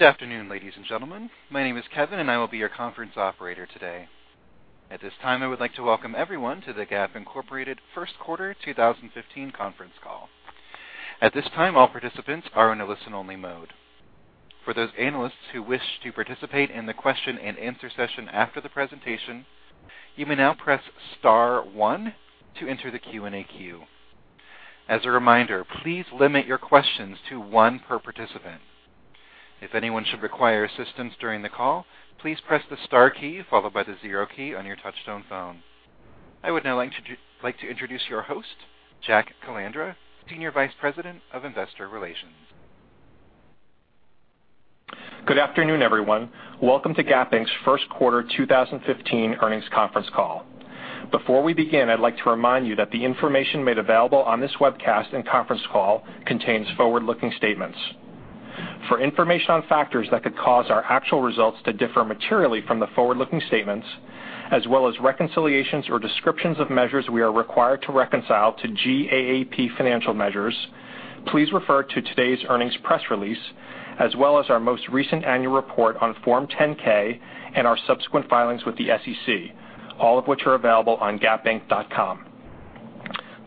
Good afternoon, ladies and gentlemen. My name is Kevin, and I will be your conference operator today. At this time, I would like to welcome everyone to the Gap Inc. First Quarter 2015 Conference Call. At this time, all participants are in a listen-only mode. For those analysts who wish to participate in the question and answer session after the presentation, you may now press star one to enter the Q&A queue. As a reminder, please limit your questions to one per participant. If anyone should require assistance during the call, please press the star key followed by the zero key on your touchtone phone. I would now like to introduce your host, Jack Calandra, Senior Vice President of Investor Relations. Good afternoon, everyone. Welcome to Gap Inc.'s First Quarter 2015 Earnings Conference Call. Before we begin, I'd like to remind you that the information made available on this webcast and conference call contains forward-looking statements. For information on factors that could cause our actual results to differ materially from the forward-looking statements, as well as reconciliations or descriptions of measures we are required to reconcile to GAAP financial measures, please refer to today's earnings press release, as well as our most recent annual report on Form 10-K and our subsequent filings with the SEC, all of which are available on gapinc.com.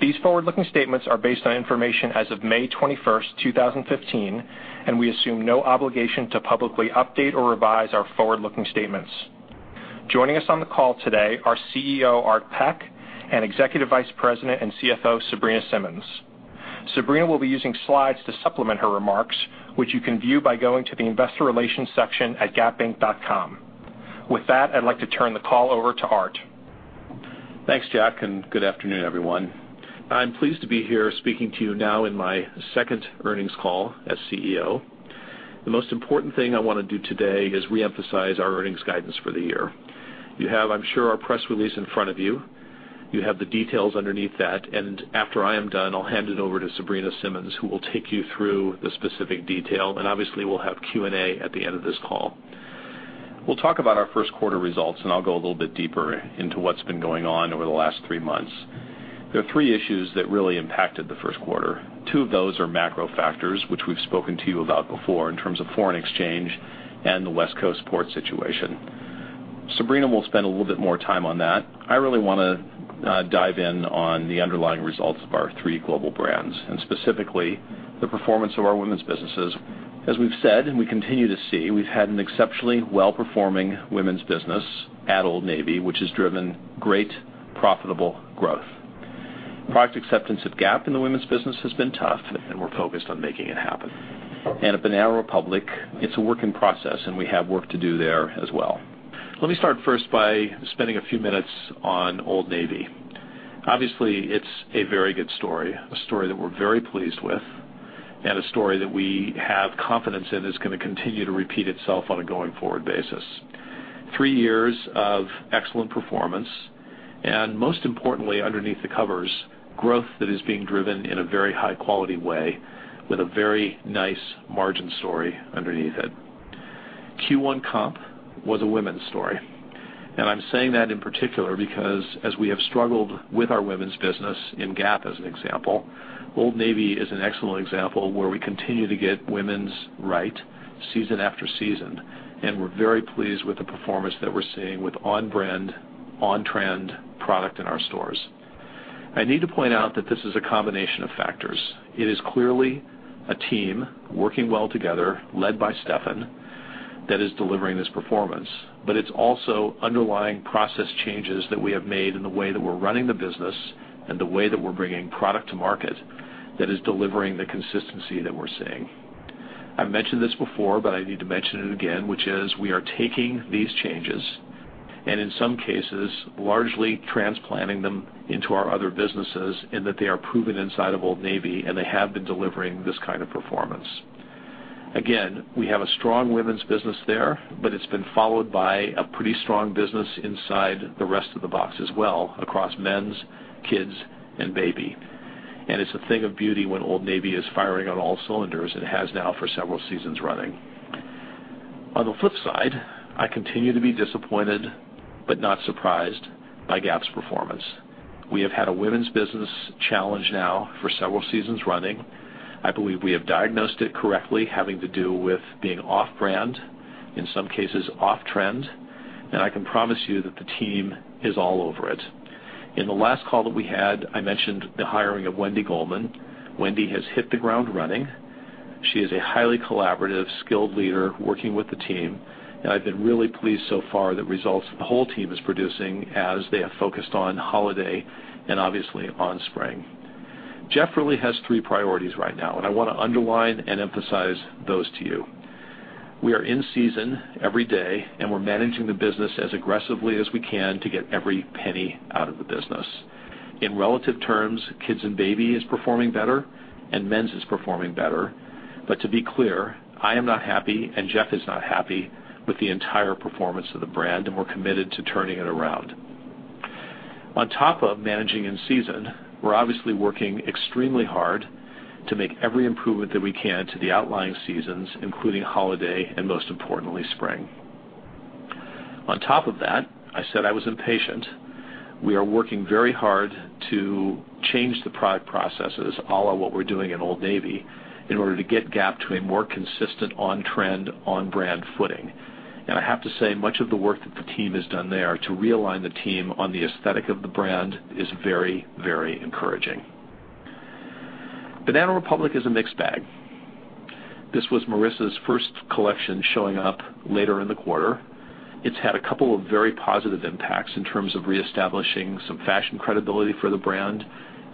These forward-looking statements are based on information as of May 21st, 2015, we assume no obligation to publicly update or revise our forward-looking statements. Joining us on the call today are CEO Art Peck and Executive Vice President and CFO Sabrina Simmons. Sabrina will be using slides to supplement her remarks, which you can view by going to the investor relations section at gapinc.com. With that, I'd like to turn the call over to Art. Thanks, Jack, and good afternoon, everyone. I'm pleased to be here speaking to you now in my second earnings call as CEO. The most important thing I want to do today is reemphasize our earnings guidance for the year. You have, I'm sure, our press release in front of you. You have the details underneath that. After I am done, I'll hand it over to Sabrina Simmons, who will take you through the specific detail. Obviously, we'll have Q&A at the end of this call. We'll talk about our first quarter results, and I'll go a little bit deeper into what's been going on over the last three months. There are three issues that really impacted the first quarter. Two of those are macro factors, which we've spoken to you about before, in terms of foreign exchange and the West Coast port situation. Sabrina Simmons will spend a little bit more time on that. I really want to dive in on the underlying results of our three global brands and specifically the performance of our women's businesses. As we've said, and we continue to see, we've had an exceptionally well-performing women's business at Old Navy, which has driven great profitable growth. Product acceptance at Gap in the women's business has been tough, and we're focused on making it happen. At Banana Republic, it's a work in process, and we have work to do there as well. Let me start first by spending a few minutes on Old Navy. Obviously, it's a very good story, a story that we're very pleased with, and a story that we have confidence in is going to continue to repeat itself on a going-forward basis. Three years of excellent performance, and most importantly, underneath the covers, growth that is being driven in a very high-quality way with a very nice margin story underneath it. Q1 comp was a women's story. I'm saying that in particular because as we have struggled with our women's business in Gap, as an example, Old Navy is an excellent example where we continue to get women's right season after season, and we're very pleased with the performance that we're seeing with on-brand, on-trend product in our stores. I need to point out that this is a combination of factors. It is clearly a team working well together, led by Stefan, that is delivering this performance. It's also underlying process changes that we have made in the way that we're running the business and the way that we're bringing product to market that is delivering the consistency that we're seeing. I mentioned this before, but I need to mention it again, which is we are taking these changes and, in some cases, largely transplanting them into our other businesses in that they are proven inside of Old Navy, and they have been delivering this kind of performance. Again, we have a strong women's business there, but it's been followed by a pretty strong business inside the rest of the box as well across men's, kids, and baby. It's a thing of beauty when Old Navy is firing on all cylinders and has now for several seasons running. On the flip side, I continue to be disappointed but not surprised by Gap's performance. We have had a women's business challenge now for several seasons running. I believe we have diagnosed it correctly, having to do with being off-brand, in some cases off-trend, and I can promise you that the team is all over it. In the last call that we had, I mentioned the hiring of Wendi Goldman. Wendi has hit the ground running. She is a highly collaborative, skilled leader working with the team, and I've been really pleased so far the results the whole team is producing as they have focused on holiday and obviously on spring. Jeff really has three priorities right now, and I want to underline and emphasize those to you. We are in season every day, and we're managing the business as aggressively as we can to get every penny out of the business. In relative terms, kids and baby is performing better, and men's is performing better. To be clear, I am not happy, and Jeff is not happy with the entire performance of the brand, and we're committed to turning it around. On top of managing in season, we're obviously working extremely hard to make every improvement that we can to the outlying seasons, including holiday and most importantly, spring. On top of that, I said I was impatient. We are working very hard to change the product processes a la what we're doing in Old Navy, in order to get Gap to a more consistent on-trend, on-brand footing. I have to say, much of the work that the team has done there to realign the team on the aesthetic of the brand is very encouraging. Banana Republic is a mixed bag. This was Marissa's first collection showing up later in the quarter. It's had a couple of very positive impacts in terms of reestablishing some fashion credibility for the brand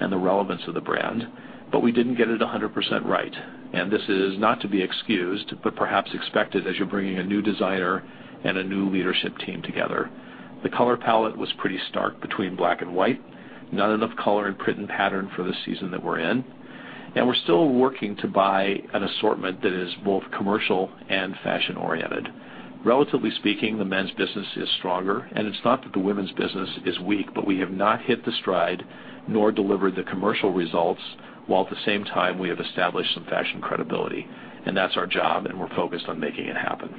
and the relevance of the brand. We didn't get it 100% right, and this is not to be excused, but perhaps expected as you're bringing a new designer and a new leadership team together. The color palette was pretty stark between black and white, not enough color and print and pattern for the season that we're in. We're still working to buy an assortment that is both commercial and fashion oriented. Relatively speaking, the men's business is stronger. It's not that the women's business is weak, but we have not hit the stride nor delivered the commercial results, while at the same time we have established some fashion credibility. That's our job, and we're focused on making it happen.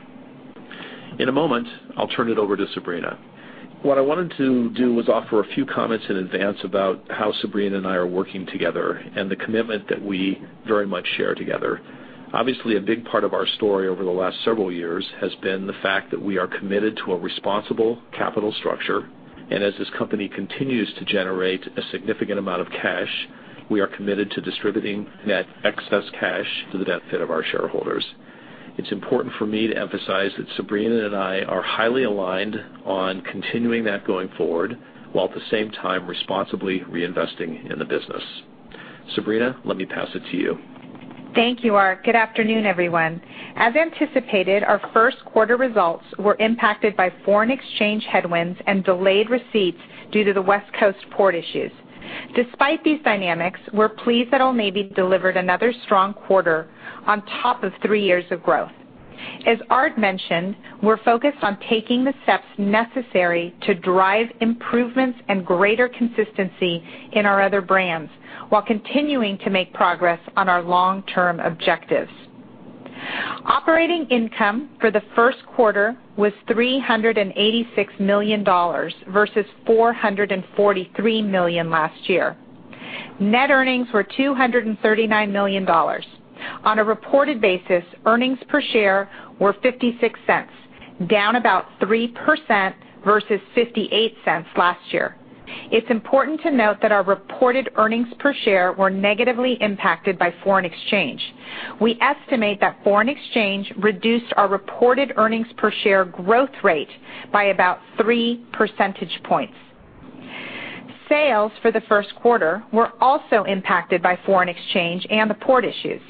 In a moment, I'll turn it over to Sabrina. What I wanted to do was offer a few comments in advance about how Sabrina and I are working together and the commitment that we very much share together. Obviously, a big part of our story over the last several years has been the fact that we are committed to a responsible capital structure, as this company continues to generate a significant amount of cash, we are committed to distributing net excess cash to the benefit of our shareholders. It's important for me to emphasize that Sabrina and I are highly aligned on continuing that going forward, while at the same time responsibly reinvesting in the business. Sabrina, let me pass it to you. Thank you, Art. Good afternoon, everyone. As anticipated, our first quarter results were impacted by foreign exchange headwinds and delayed receipts due to the West Coast port issues. Despite these dynamics, we're pleased that Old Navy delivered another strong quarter on top of 3 years of growth. As Art mentioned, we're focused on taking the steps necessary to drive improvements and greater consistency in our other brands, while continuing to make progress on our long-term objectives. Operating income for the first quarter was $386 million versus $443 million last year. Net earnings were $239 million. On a reported basis, earnings per share were $0.56, down about 3% versus $0.58 last year. It's important to note that our reported earnings per share were negatively impacted by foreign exchange. We estimate that foreign exchange reduced our reported earnings per share growth rate by about 3 percentage points. Sales for the first quarter were also impacted by foreign exchange and the port issues.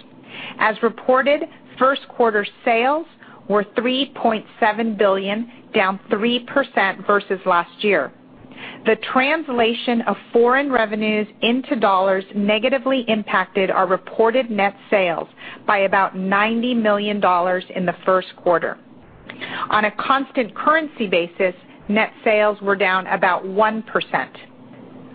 As reported, first quarter sales were $3.7 billion, down 3% versus last year. The translation of foreign revenues into dollars negatively impacted our reported net sales by about $90 million in the first quarter. On a constant currency basis, net sales were down about 1%.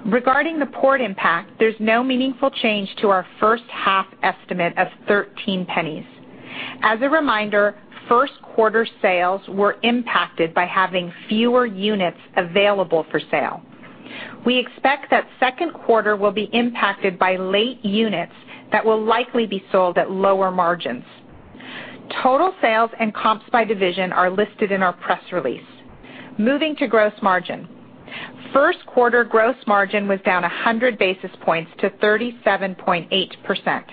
Regarding the port impact, there's no meaningful change to our first half estimate of $0.13. As a reminder, first quarter sales were impacted by having fewer units available for sale. We expect that second quarter will be impacted by late units that will likely be sold at lower margins. Total sales and comps by division are listed in our press release. Moving to gross margin. First quarter gross margin was down 100 basis points to 37.8%.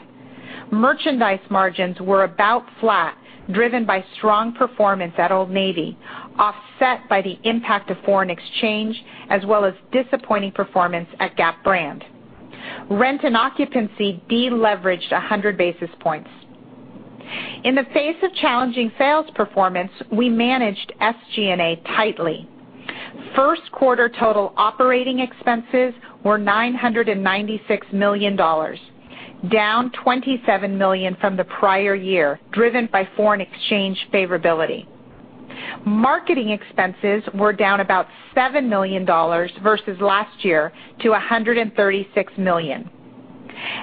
Merchandise margins were about flat, driven by strong performance at Old Navy, offset by the impact of foreign exchange, as well as disappointing performance at Gap brand. Rent and occupancy de-leveraged 100 basis points. In the face of challenging sales performance, we managed SG&A tightly. First quarter total operating expenses were $996 million, down $27 million from the prior year, driven by foreign exchange favorability. Marketing expenses were down about $7 million versus last year to $136 million.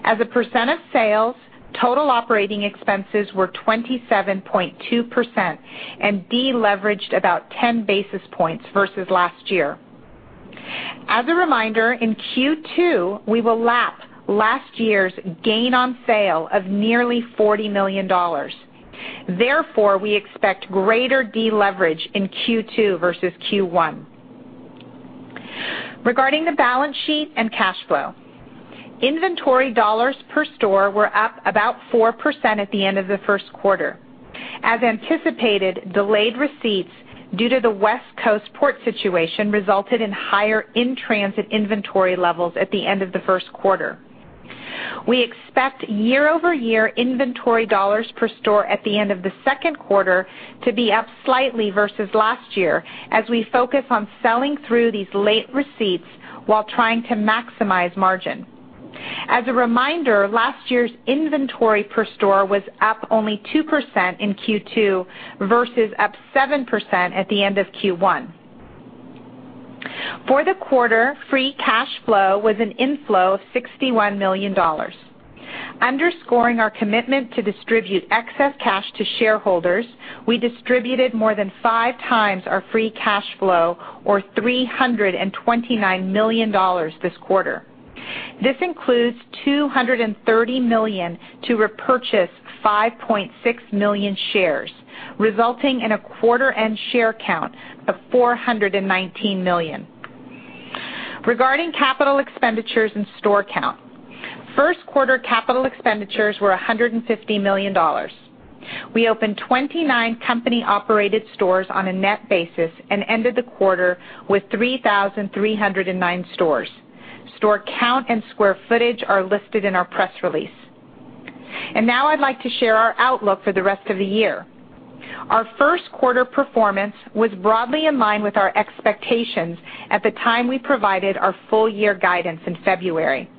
As a percent of sales, total operating expenses were 27.2% and de-leveraged about 10 basis points versus last year. As a reminder, in Q2, we will lap last year's gain on sale of nearly $40 million. Therefore, we expect greater de-leverage in Q2 versus Q1. Regarding the balance sheet and cash flow. Inventory dollars per store were up about 4% at the end of the first quarter. As anticipated, delayed receipts due to the West Coast port situation resulted in higher in-transit inventory levels at the end of the first quarter. We expect year-over-year inventory dollars per store at the end of the second quarter to be up slightly versus last year, as we focus on selling through these late receipts while trying to maximize margin. As a reminder, last year's inventory per store was up only 2% in Q2 versus up 7% at the end of Q1. For the quarter, free cash flow was an inflow of $61 million. Underscoring our commitment to distribute excess cash to shareholders, we distributed more than five times our free cash flow, or $329 million this quarter. This includes $230 million to repurchase 5.6 million shares, resulting in a quarter-end share count of 419 million. Regarding capital expenditures and store count, first quarter capital expenditures were $150 million. We opened 29 company-operated stores on a net basis and ended the quarter with 3,309 stores. Store count and square footage are listed in our press release. Now I'd like to share our outlook for the rest of the year. Our first quarter performance was broadly in line with our expectations at the time we provided our full year guidance in February.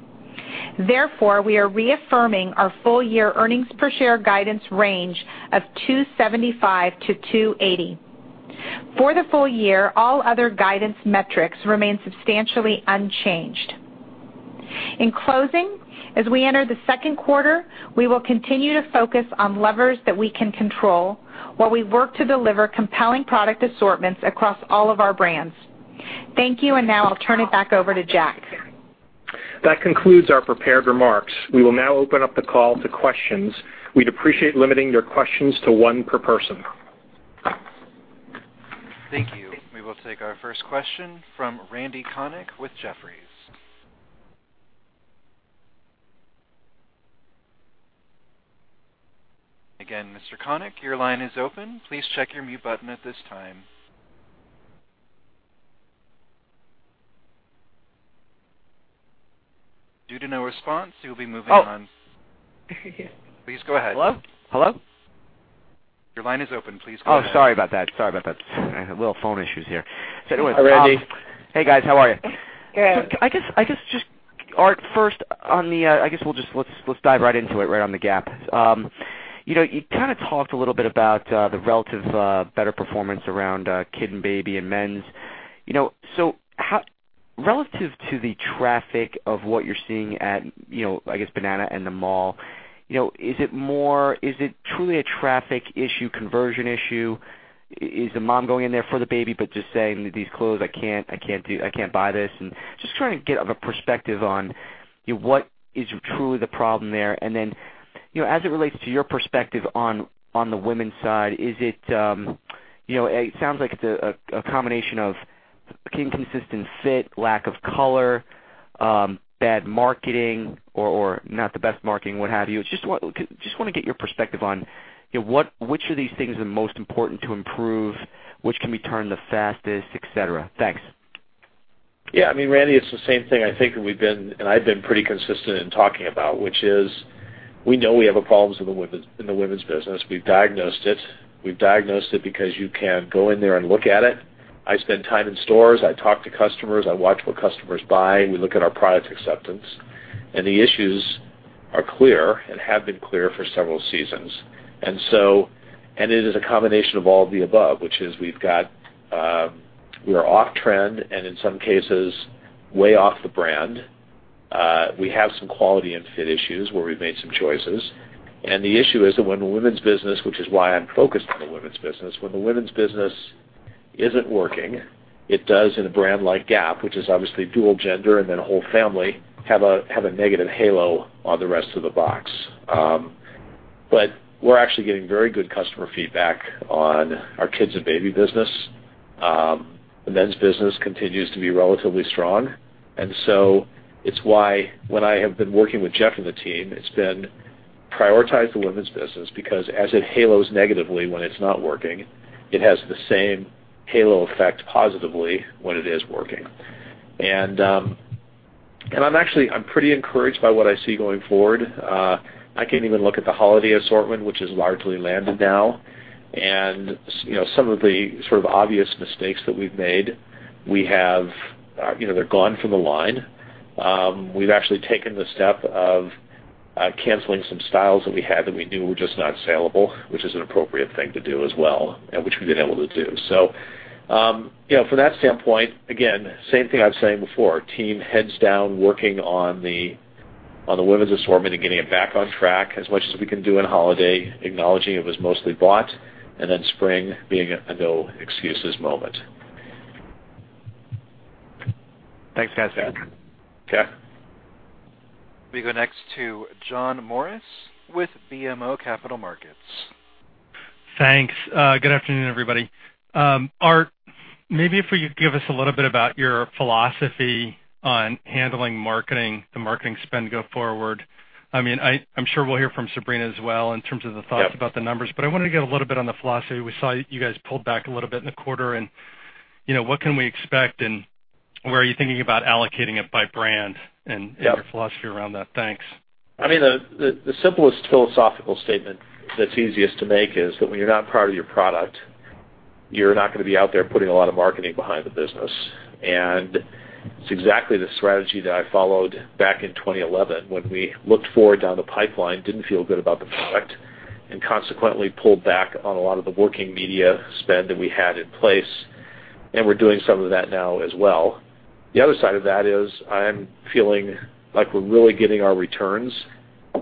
Therefore, we are reaffirming our full year earnings per share guidance range of $2.75-$2.80. For the full year, all other guidance metrics remain substantially unchanged. In closing, as we enter the second quarter, we will continue to focus on levers that we can control while we work to deliver compelling product assortments across all of our brands. Thank you, and now I'll turn it back over to Jack. That concludes our prepared remarks. We will now open up the call to questions. We'd appreciate limiting your questions to one per person. Thank you. We will take our first question from Randal Konik with Jefferies. Again, Mr. Konik, your line is open. Please check your mute button at this time. Due to no response, we'll be moving on. Oh. Please go ahead. Hello? Hello? Your line is open. Please go ahead. Oh, sorry about that. I had a little phone issues here. Hi, Randy. Hey, guys. How are you? Good. I guess just, Art, first, I guess let's dive right into it, right on the Gap. You kind of talked a little bit about the relative better performance around Kid and Baby and Men's. Relative to the traffic of what you're seeing at, I guess, Banana and the Mall, is it truly a traffic issue, conversion issue? Is the mom going in there for the baby but just saying, "These clothes, I can't buy this." Just trying to get a perspective on what is truly the problem there. As it relates to your perspective on the Women's side, it sounds like it's a combination of inconsistent fit, lack of color, bad marketing or not the best marketing, what have you. Just want to get your perspective on which of these things are most important to improve, which can be turned the fastest, et cetera. Thanks. Yeah. Randy, it's the same thing I think, I've been pretty consistent in talking about, which is, we know we have problems in the Women's business. We've diagnosed it. We've diagnosed it because you can go in there and look at it. I spend time in stores. I talk to customers. I watch what customers buy, and we look at our product acceptance. The issues are clear and have been clear for several seasons. It is a combination of all of the above, which is we're off trend and in some cases, way off the brand. We have some quality and fit issues where we've made some choices. The issue is that when the Women's business, which is why I'm focused on the Women's business, when the Women's business isn't working, it does in a brand like Gap, which is obviously dual gender and then whole family, have a negative halo on the rest of the box. We're actually getting very good customer feedback on our Kids and Baby business. The Men's business continues to be relatively strong. It's why when I have been working with Jeff and the team, it's been prioritize the Women's business because as it halos negatively when it's not working, it has the same halo effect positively when it is working. I'm pretty encouraged by what I see going forward. I can even look at the holiday assortment, which has largely landed now. Some of the sort of obvious mistakes that we've made, they're gone from the line. We've actually taken the step of canceling some styles that we had that we knew were just not sellable, which is an appropriate thing to do as well, and which we've been able to do. From that standpoint, again, same thing I was saying before, team heads down working on the Women's assortment and getting it back on track as much as we can do in holiday, acknowledging it was mostly bought, then spring being a no excuses moment. Thanks, guys. Yeah. Okay. We go next to John Morris with BMO Capital Markets. Thanks. Good afternoon, everybody. Art, maybe if you could give us a little bit about your philosophy on handling the marketing spend go forward. I'm sure we'll hear from Sabrina as well in terms of the thoughts about the numbers, but I wanted to get a little bit on the philosophy. We saw you guys pulled back a little bit in the quarter, and what can we expect, and where are you thinking about allocating it by brand and your philosophy around that. Thanks. The simplest philosophical statement that's easiest to make is that when you're not proud of your product, you're not going to be out there putting a lot of marketing behind the business. It's exactly the strategy that I followed back in 2011 when we looked forward down the pipeline, didn't feel good about the product, and consequently pulled back on a lot of the working media spend that we had in place, and we're doing some of that now as well. The other side of that is I'm feeling like we're really getting our returns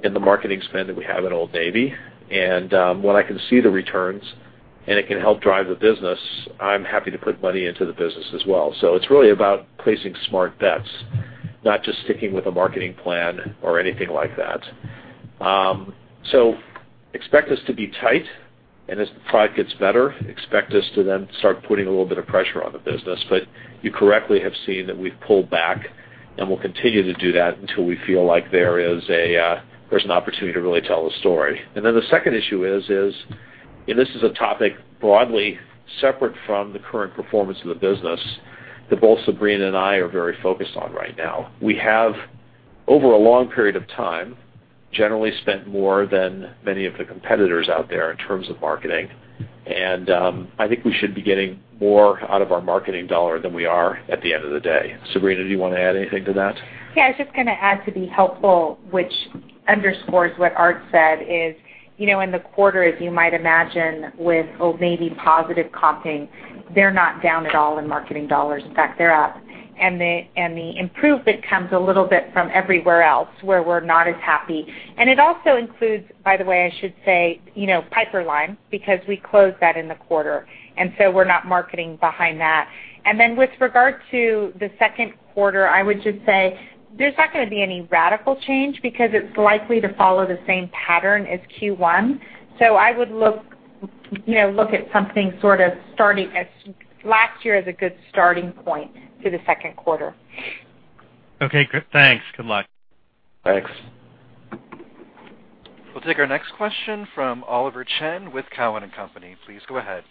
in the marketing spend that we have at Old Navy. When I can see the returns, and it can help drive the business, I'm happy to put money into the business as well. It's really about placing smart bets, not just sticking with a marketing plan or anything like that. Expect us to be tight, and as the product gets better, expect us to then start putting a little bit of pressure on the business. You correctly have seen that we've pulled back, and we'll continue to do that until we feel like there's an opportunity to really tell the story. Then the second issue is, and this is a topic broadly separate from the current performance of the business that both Sabrina and I are very focused on right now. We have, over a long period of time, generally spent more than many of the competitors out there in terms of marketing. I think we should be getting more out of our marketing dollar than we are at the end of the day. Sabrina, do you want to add anything to that? Yeah, I was just going to add to be helpful, which underscores what Art said is, in the quarter, as you might imagine, with Old Navy positive comping, they're not down at all in marketing dollars. In fact, they're up. The improvement comes a little bit from everywhere else where we're not as happy. It also includes, by the way, I should say, Piperlime, because we closed that in the quarter. So we're not marketing behind that. Then with regard to the second quarter, I would just say there's not going to be any radical change because it's likely to follow the same pattern as Q1. I would look at last year as a good starting point to the second quarter. Okay, good. Thanks. Good luck. Thanks. We'll take our next question from Oliver Chen with Cowen and Company. Please go ahead.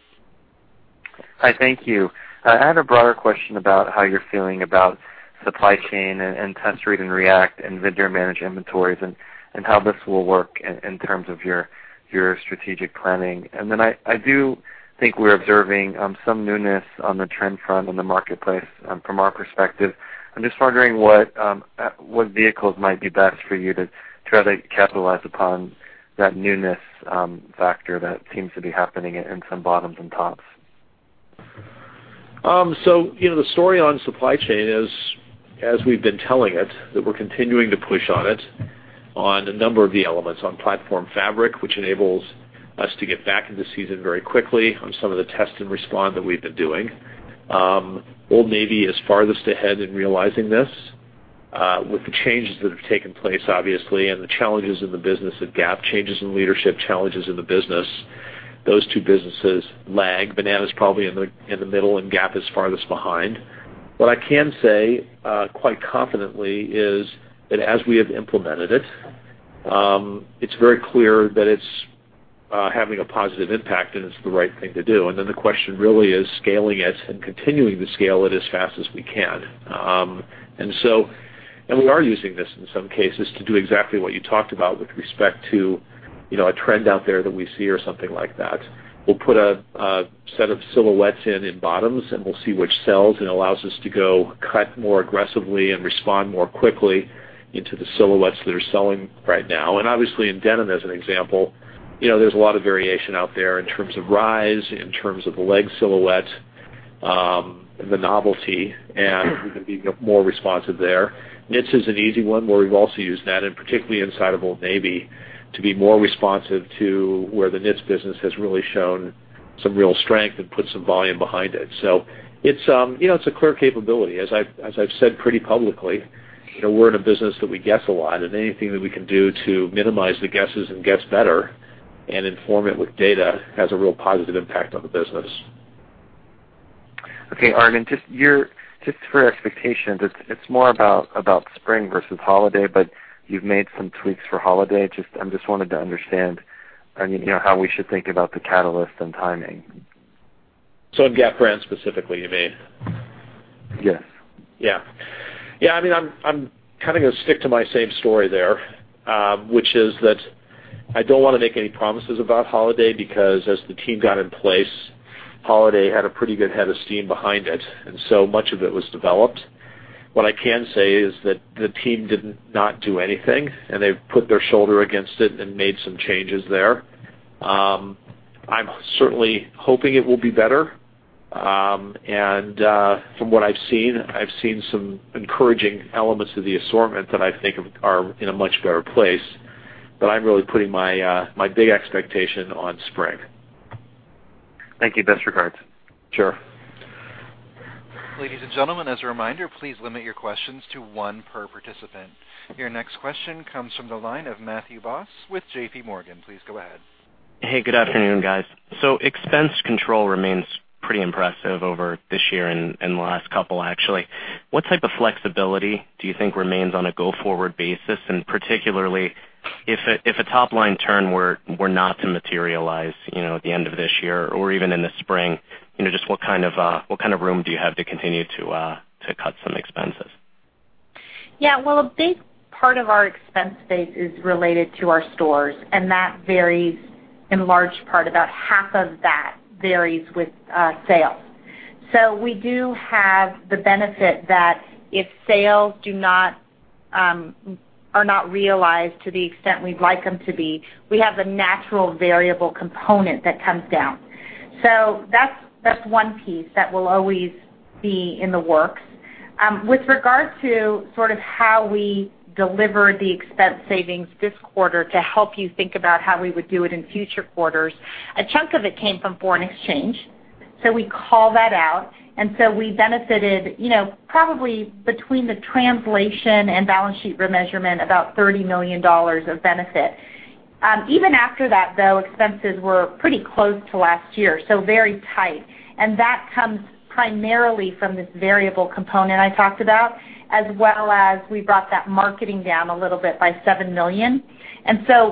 Hi. Thank you. I had a broader question about how you're feeling about supply chain and test, read and react and vendor manage inventories and how this will work in terms of your strategic planning. I do think we're observing some newness on the trend front in the marketplace from our perspective. I'm just wondering what vehicles might be best for you to try to capitalize upon that newness factor that seems to be happening in some bottoms and tops. The story on supply chain is, as we've been telling it, that we're continuing to push on it on a number of the elements on platform fabric, which enables us to get back into season very quickly on some of the test and respond that we've been doing. Old Navy is farthest ahead in realizing this. With the changes that have taken place, obviously, and the challenges in the business at Gap, changes in leadership, challenges in the business, those two businesses lag. Banana's probably in the middle, and Gap is farthest behind. What I can say quite confidently is that as we have implemented it's very clear that it's having a positive impact, and it's the right thing to do. The question really is scaling it and continuing to scale it as fast as we can. We are using this in some cases to do exactly what you talked about with respect to a trend out there that we see or something like that. We'll put a set of silhouettes in in bottoms, and we'll see which sells, and it allows us to go cut more aggressively and respond more quickly into the silhouettes that are selling right now. Obviously, in denim, as an example, there's a lot of variation out there in terms of rise, in terms of the leg silhouette, the novelty, and we can be more responsive there. Knits is an easy one where we've also used that, and particularly inside of Old Navy to be more responsive to where the knits business has really shown some real strength and put some volume behind it. It's a clear capability. As I've said pretty publicly, we're in a business that we guess a lot, anything that we can do to minimize the guesses and guess better and inform it with data has a real positive impact on the business. Okay, Art, just for expectations, it's more about Spring versus Holiday, but you've made some tweaks for Holiday. I just wanted to understand how we should think about the catalyst and timing. In Gap brand specifically, you mean? Yes. Yeah. I'm going to stick to my same story there, which is that I don't want to make any promises about Holiday because as the team got in place, Holiday had a pretty good head of steam behind it, and so much of it was developed. What I can say is that the team didn't not do anything, and they've put their shoulder against it and made some changes there. I'm certainly hoping it will be better. From what I've seen, I've seen some encouraging elements of the assortment that I think are in a much better place. I'm really putting my big expectation on Spring. Thank you. Best regards. Sure. Ladies and gentlemen, as a reminder, please limit your questions to one per participant. Your next question comes from the line of Matthew Boss with J.P. Morgan. Please go ahead. Hey, good afternoon, guys. Expense control remains pretty impressive over this year and the last couple, actually. What type of flexibility do you think remains on a go-forward basis? Particularly if a top-line turn were not to materialize at the end of this year or even in the spring, just what kind of room do you have to continue to cut some expenses? Yeah. Well, a big part of our expense base is related to our stores, and that varies in large part. About half of that varies with sales. We do have the benefit that if sales are not realized to the extent we'd like them to be, we have the natural variable component that comes down. That's one piece that will always be in the works. With regard to how we deliver the expense savings this quarter to help you think about how we would do it in future quarters, a chunk of it came from foreign exchange. We call that out, and we benefited probably between the translation and balance sheet remeasurement, about $30 million of benefit. Even after that, though, expenses were pretty close to last year, so very tight. That comes primarily from this variable component I talked about, as well as we brought that marketing down a little bit by $7 million.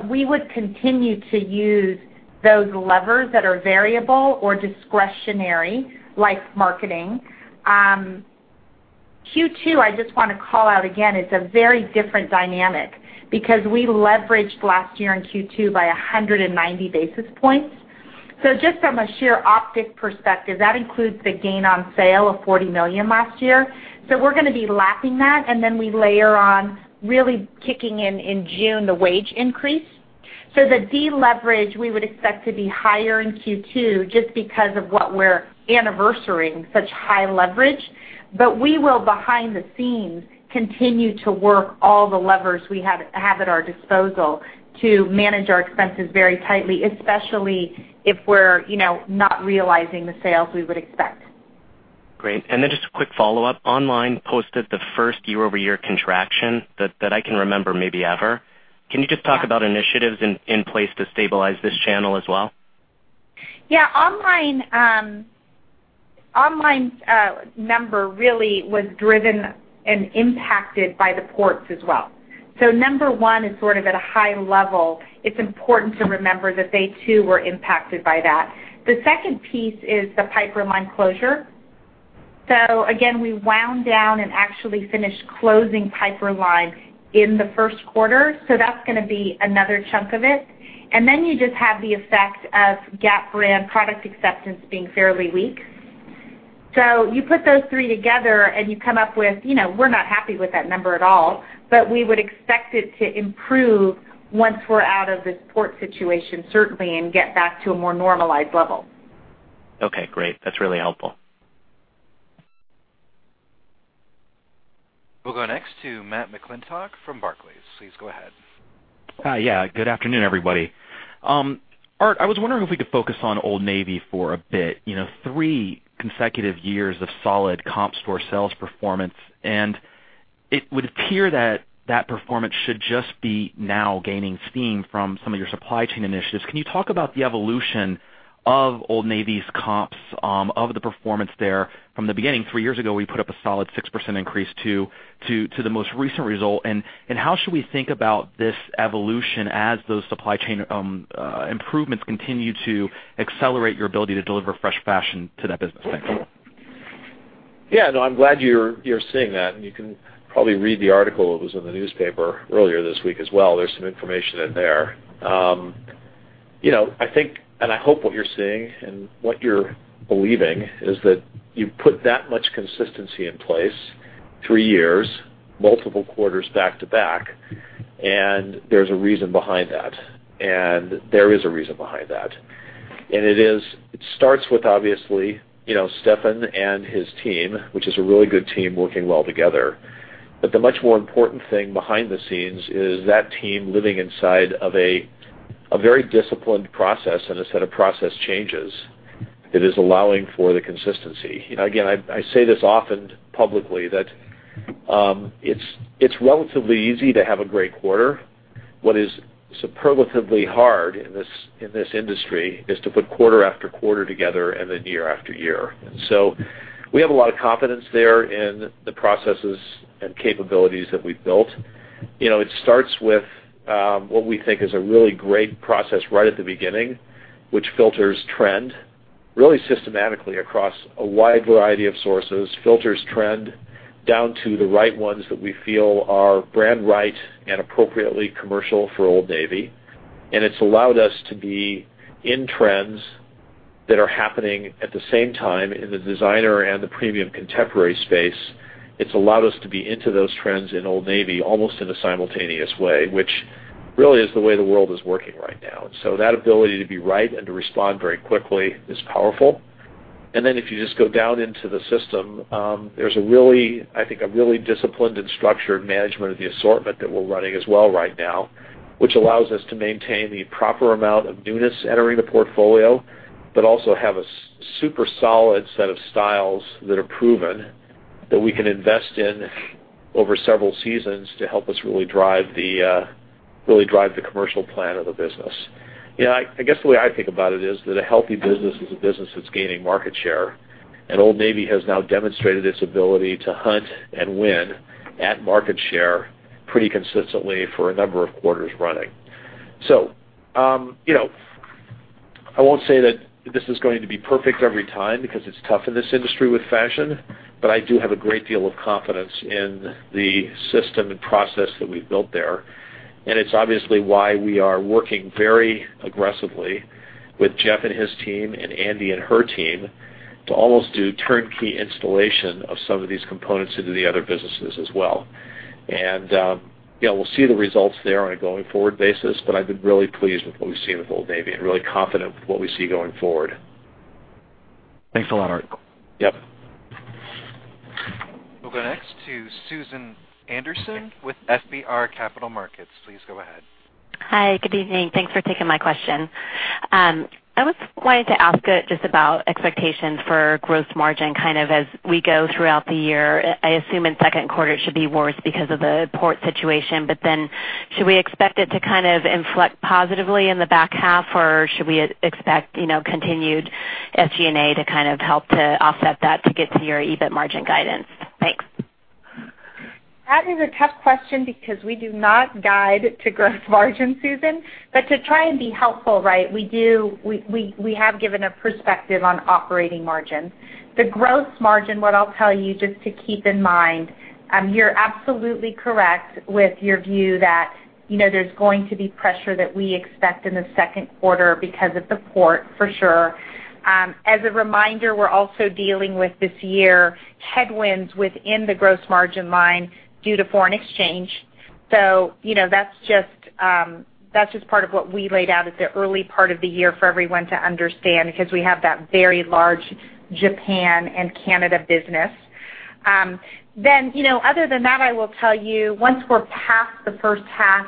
We would continue to use those levers that are variable or discretionary, like marketing. Q2, I just want to call out again, it's a very different dynamic because we leveraged last year in Q2 by 190 basis points. Just from a sheer optic perspective, that includes the gain on sale of $40 million last year. We're going to be lapping that, and then we layer on really kicking in June, the wage increase. The deleverage we would expect to be higher in Q2 just because of what we're anniversarying such high leverage. We will, behind the scenes, continue to work all the levers we have at our disposal to manage our expenses very tightly, especially if we're not realizing the sales we would expect. Great. Just a quick follow-up. Online posted the first year-over-year contraction that I can remember maybe ever. Can you just talk about initiatives in place to stabilize this channel as well? Yeah. Online's number really was driven and impacted by the ports as well. Number one is sort of at a high level. It's important to remember that they too were impacted by that. The second piece is the Piperlime closure. Again, we wound down and actually finished closing Piperlime in the first quarter, so that's going to be another chunk of it. You just have the effect of Gap brand product acceptance being fairly weak. You put those three together and you come up with, we're not happy with that number at all, but we would expect it to improve once we're out of this port situation, certainly, and get back to a more normalized level. Okay, great. That's really helpful. We'll go next to Matt McClintock from Barclays. Please go ahead. Yeah. Good afternoon, everybody. Art, I was wondering if we could focus on Old Navy for a bit. Three consecutive years of solid comp store sales performance, it would appear that that performance should just be now gaining steam from some of your supply chain initiatives. Can you talk about the evolution of Old Navy's comps of the performance there from the beginning three years ago, we put up a solid 6% increase to the most recent result, how should we think about this evolution as those supply chain improvements continue to accelerate your ability to deliver fresh fashion to that business? Thanks. Yeah. No, I'm glad you're seeing that, you can probably read the article that was in the newspaper earlier this week as well. There's some information in there. I think, and I hope what you're seeing and what you're believing is that you put that much consistency in place, three years, multiple quarters back-to-back, there's a reason behind that. There is a reason behind that. It starts with, obviously, Stefan and his team, which is a really good team working well together. The much more important thing behind the scenes is that team living inside of a very disciplined process and a set of process changes that is allowing for the consistency. Again, I say this often publicly, that it's relatively easy to have a great quarter. What is superlatively hard in this industry is to put quarter after quarter together and then year after year. We have a lot of confidence there in the processes and capabilities that we've built. It starts with what we think is a really great process right at the beginning, which filters trend really systematically across a wide variety of sources. Filters trend down to the right ones that we feel are brand right and appropriately commercial for Old Navy. It's allowed us to be in trends that are happening at the same time in the designer and the premium contemporary space. It's allowed us to be into those trends in Old Navy almost in a simultaneous way, which really is the way the world is working right now. That ability to be right and to respond very quickly is powerful. If you just go down into the system, there's a really, I think, a really disciplined and structured management of the assortment that we're running as well right now, which allows us to maintain the proper amount of newness entering the portfolio, but also have a super solid set of styles that are proven that we can invest in over several seasons to help us really drive the commercial plan of the business. I guess the way I think about it is that a healthy business is a business that's gaining market share, and Old Navy has now demonstrated its ability to hunt and win at market share pretty consistently for a number of quarters running. You know I won't say that this is going to be perfect every time because it's tough in this industry with fashion, but I do have a great deal of confidence in the system and process that we've built there. It's obviously why we are working very aggressively with Jeff and his team, and Andi and her team to almost do turnkey installation of some of these components into the other businesses as well. We'll see the results there on a going forward basis, but I've been really pleased with what we've seen with Old Navy and really confident with what we see going forward. Thanks a lot, Art. Yep. We'll go next to Susan Anderson with FBR Capital Markets. Please go ahead. Hi. Good evening. Thanks for taking my question. I was wanting to ask just about expectations for gross margin as we go throughout the year. I assume in the second quarter it should be worse because of the port situation. Should we expect it to inflect positively in the back half, or should we expect continued SG&A to help to offset that to get to your EBIT margin guidance? Thanks. That is a tough question because we do not guide to gross margin, Susan. To try and be helpful, we have given a perspective on operating margins. The gross margin, what I'll tell you just to keep in mind, you're absolutely correct with your view that there's going to be pressure that we expect in the second quarter because of the port, for sure. As a reminder, we're also dealing with this year headwinds within the gross margin line due to foreign exchange. That's just part of what we laid out at the early part of the year for everyone to understand because we have that very large Japan and Canada business. Other than that, I will tell you once we're past the first half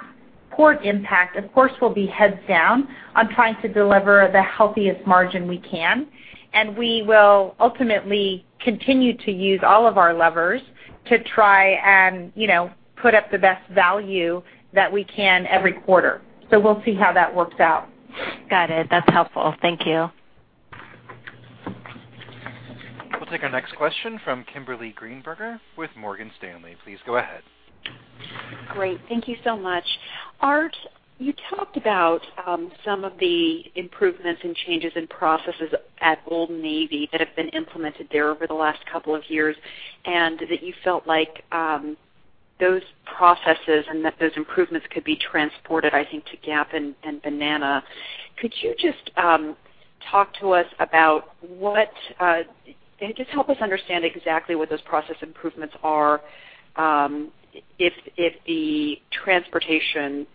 port impact, of course, we'll be heads down on trying to deliver the healthiest margin we can, and we will ultimately continue to use all of our levers to try and put up the best value that we can every quarter. We'll see how that works out. Got it. That's helpful. Thank you. We'll take our next question from Kimberly Greenberger with Morgan Stanley. Please go ahead. Great. Thank you so much. Art, you talked about some of the improvements and changes in processes at Old Navy that have been implemented there over the last couple of years, and that you felt like those processes and that those improvements could be transported, I think, to Gap and Banana. Could you just talk to us about just help us understand exactly what those process improvements are if the transportation process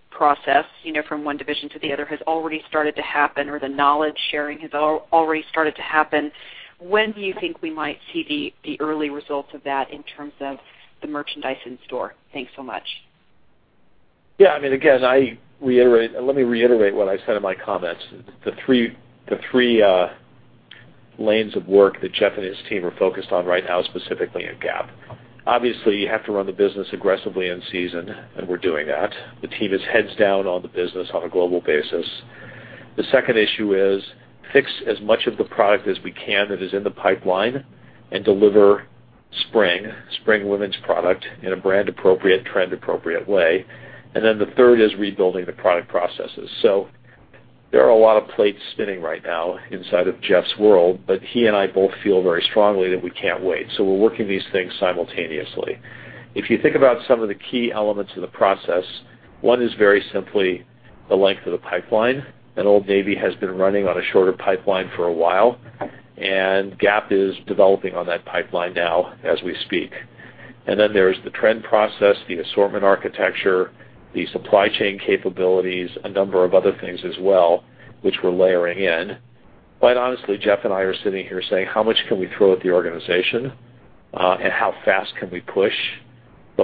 from one division to the other has already started to happen, or the knowledge sharing has already started to happen. When do you think we might see the early results of that in terms of the merchandise in store? Thanks so much. Yeah. Again, let me reiterate what I said in my comments. The three lanes of work that Jeff and his team are focused on right now, specifically at Gap. Obviously, you have to run the business aggressively in season, and we're doing that. The team is heads down on the business on a global basis. The second issue is fix as much of the product as we can that is in the pipeline and deliver spring women's product in a brand appropriate, trend appropriate way. Then the third is rebuilding the product processes. There are a lot of plates spinning right now inside of Jeff's world, but he and I both feel very strongly that we can't wait. We're working these things simultaneously. If you think about some of the key elements of the process, one is very simply the length of the pipeline. Old Navy has been running on a shorter pipeline for a while, and Gap is developing on that pipeline now as we speak. There's the trend process, the assortment architecture, the supply chain capabilities, a number of other things as well, which we're layering in. Quite honestly, Jeff and I are sitting here saying, "How much can we throw at the organization? And how fast can we push?"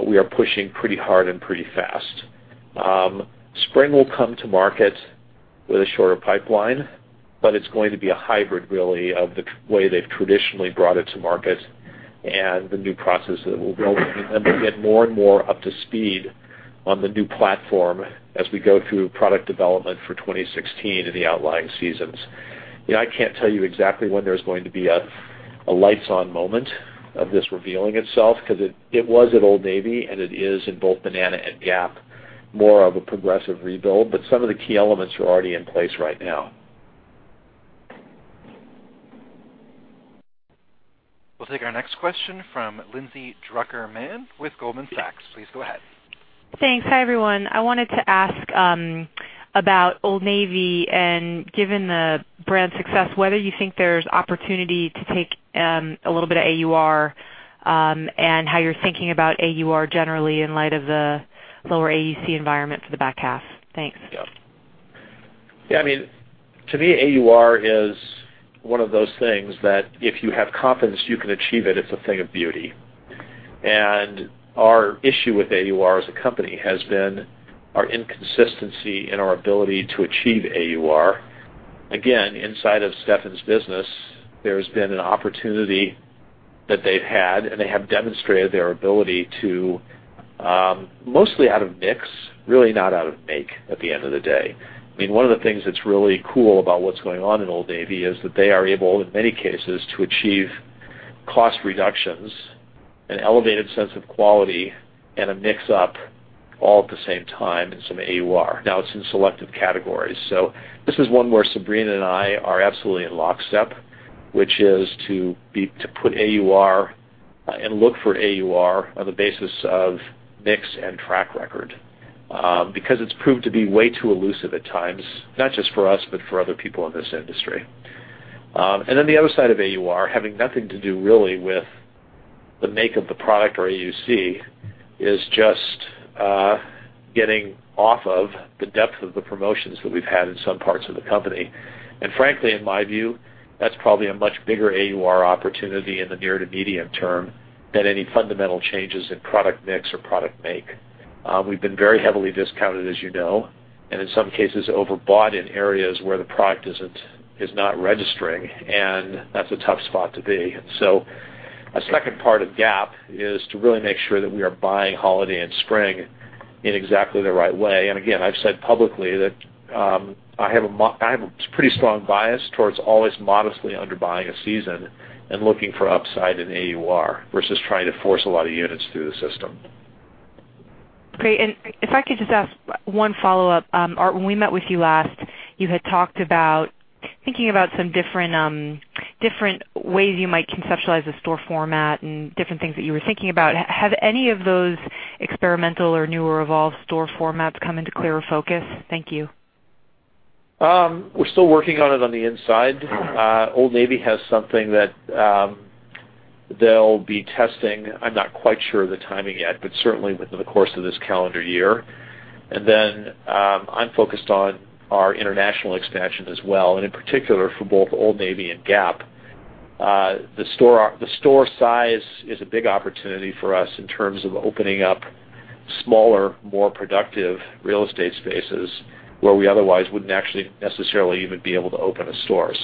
We are pushing pretty hard and pretty fast. Spring will come to market with a shorter pipeline, but it's going to be a hybrid, really, of the way they've traditionally brought it to market and the new processes that we're building. We'll get more and more up to speed on the new platform as we go through product development for 2016 and the outlying seasons. I can't tell you exactly when there's going to be a lights-on moment of this revealing itself because it was at Old Navy, and it is in both Banana and Gap, more of a progressive rebuild. Some of the key elements are already in place right now. We'll take our next question from Lindsay Drucker Mann with Goldman Sachs. Please go ahead. Yeah. To me, AUR is one of those things that if you have confidence you can achieve it's a thing of beauty. Our issue with AUR as a company has been our inconsistency in our ability to achieve AUR. Again, inside of Stefan's business, there's been an opportunity that they've had, and they have demonstrated their ability to mostly out of mix, really not out of make at the end of the day. One of the things that's really cool about what's going on in Old Navy is that they are able, in many cases, to achieve cost reductions, an elevated sense of quality, and a mix-up all at the same time in some AUR. It's in selective categories. This is one where Sabrina and I are absolutely in lockstep, which is to put AUR and look for AUR on the basis of mix and track record because it's proved to be way too elusive at times, not just for us but for other people in this industry. The other side of AUR, having nothing to do really with the make of the product or AUC, is just getting off of the depth of the promotions that we've had in some parts of the company. Frankly, in my view, that's probably a much bigger AUR opportunity in the near to medium term than any fundamental changes in product mix or product make. We've been very heavily discounted, as you know, and in some cases, overbought in areas where the product is not registering, and that's a tough spot to be. A second part of Gap is to really make sure that we are buying holiday and spring in exactly the right way. Again, I've said publicly that I have a pretty strong bias towards always modestly under-buying a season and looking for upside in AUR, versus trying to force a lot of units through the system. Great. If I could just ask one follow-up. Art, when we met with you last, you had talked about thinking about some different ways you might conceptualize a store format and different things that you were thinking about. Have any of those experimental or newer evolved store formats come into clearer focus? Thank you. We're still working on it on the inside. Old Navy has something that they'll be testing. I'm not quite sure of the timing yet, but certainly within the course of this calendar year. I'm focused on our international expansion as well, and in particular for both Old Navy and Gap. The store size is a big opportunity for us in terms of opening up smaller, more productive real estate spaces where we otherwise wouldn't actually necessarily even be able to open a store.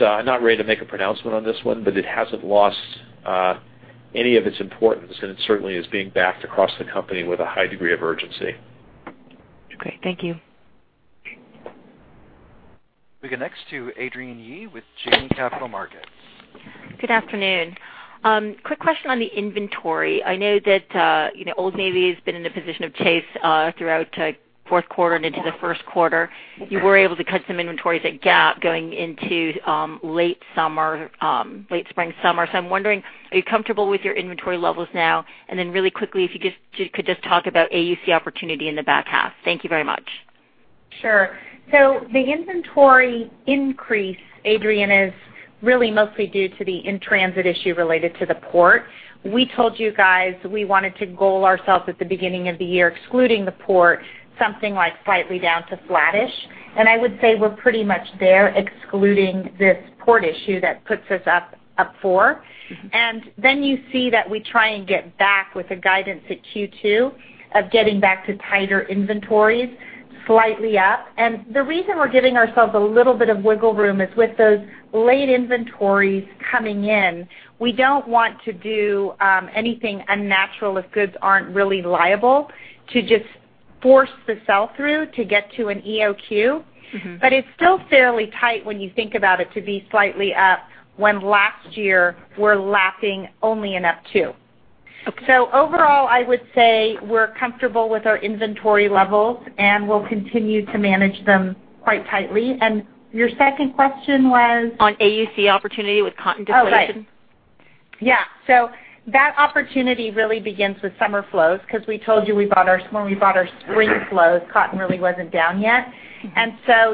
I'm not ready to make a pronouncement on this one, but it hasn't lost any of its importance, and it certainly is being backed across the company with a high degree of urgency. Great. Thank you. We go next to Adrienne Yih with Janney Capital Markets. Good afternoon. Quick question on the inventory. I know that Old Navy has been in a position of chase throughout fourth quarter and into the first quarter. You were able to cut some inventories at Gap going into late spring, summer. I'm wondering, are you comfortable with your inventory levels now? Really quickly, if you could just talk about AUC opportunity in the back half. Thank you very much. Sure. The inventory increase, Adrienne, is really mostly due to the in-transit issue related to the port. We told you guys we wanted to goal ourselves at the beginning of the year, excluding the port, something like slightly down to flattish. I would say we're pretty much there, excluding this port issue that puts us up four. You see that we try and get back with the guidance at Q2 of getting back to tighter inventories slightly up. The reason we're giving ourselves a little bit of wiggle room is with those late inventories coming in, we don't want to do anything unnatural if goods aren't really liable to just force the sell-through to get to an EOQ. It's still fairly tight when you think about it to be slightly up when last year we're lapping only in up two. Okay. Overall, I would say we're comfortable with our inventory levels, and we'll continue to manage them quite tightly. Your second question was? On AUC opportunity with cotton deflation. Right. That opportunity really begins with summer flows because we told you when we bought our spring flows, cotton really wasn't down yet.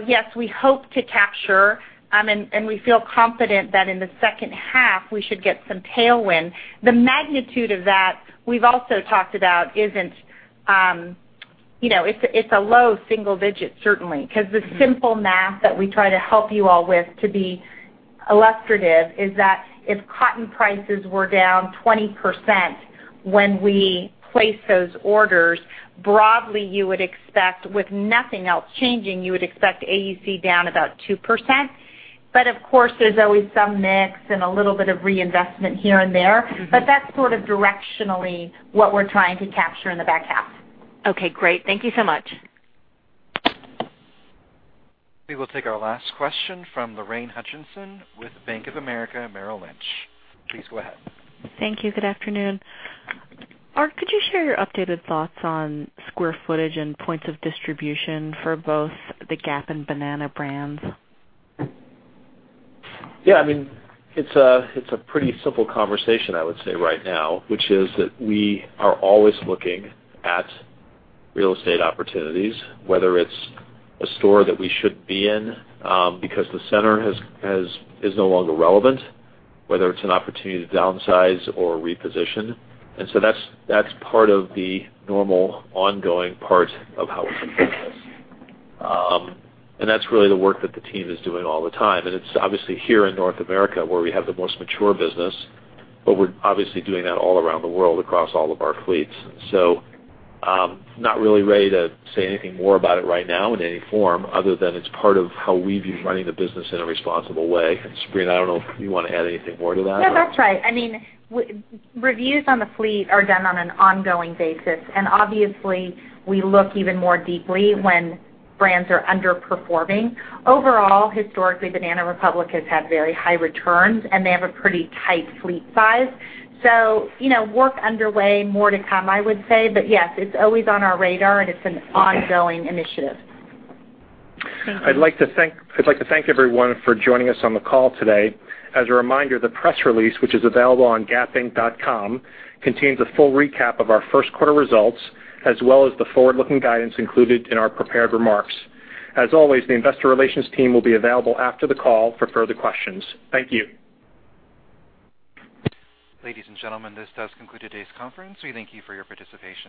Yes, we hope to capture, and we feel confident that in the second half, we should get some tailwind. The magnitude of that, we've also talked about, it's a low single digit, certainly. Because the simple math that we try to help you all with to be illustrative is that if cotton prices were down 20% when we place those orders, broadly, you would expect with nothing else changing, you would expect AUC down about 2%. Of course, there's always some mix and a little bit of reinvestment here and there. That's sort of directionally what we're trying to capture in the back half. Okay, great. Thank you so much. We will take our last question from Lorraine Hutchinson with Bank of America Merrill Lynch. Please go ahead. Thank you. Good afternoon. Art, could you share your updated thoughts on square footage and points of distribution for both the Gap and Banana brands? Yeah, it's a pretty simple conversation, I would say right now, which is that we are always looking at real estate opportunities, whether it's a store that we should be in because the center is no longer relevant, whether it's an opportunity to downsize or reposition. That's part of the normal ongoing part of how we think of this. That's really the work that the team is doing all the time, and it's obviously here in North America where we have the most mature business, but we're obviously doing that all around the world across all of our fleets. Not really ready to say anything more about it right now in any form other than it's part of how we view running the business in a responsible way. Sabrina, I don't know if you want to add anything more to that. No, that's right. Reviews on the fleet are done on an ongoing basis, and obviously, we look even more deeply when brands are underperforming. Overall, historically, Banana Republic has had very high returns, and they have a pretty tight fleet size. Work underway, more to come, I would say. Yes, it's always on our radar, and it's an ongoing initiative. Thank you. I'd like to thank everyone for joining us on the call today. As a reminder, the press release, which is available on gapinc.com, contains a full recap of our first quarter results, as well as the forward-looking guidance included in our prepared remarks. As always, the investor relations team will be available after the call for further questions. Thank you. Ladies and gentlemen, this does conclude today's conference. We thank you for your participation.